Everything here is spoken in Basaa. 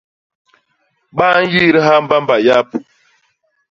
Ba nyidha mbamba yap.